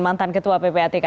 mantan ketua ppatk